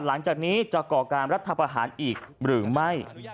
หลังจากนี้จะก่อการรัฐประหารอีกหรือไม่